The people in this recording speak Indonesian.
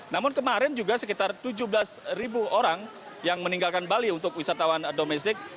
namun kemarin juga sekitar tujuh belas ribu orang yang meninggalkan bali untuk wisatawan domestik